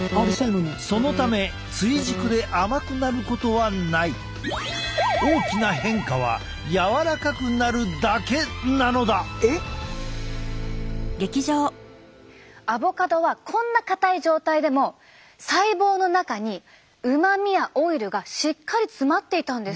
そのため大きな変化はアボカドはこんな硬い状態でも細胞の中にうまみやオイルがしっかり詰まっていたんです。